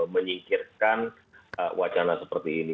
menyingkirkan wacana seperti ini